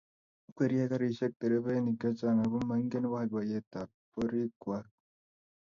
ikwerie karishek terevainik chechang ago maingen boiboiyetab borik kwai